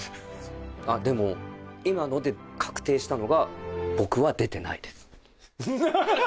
でも、今ので、確定したのが、僕は出てないです。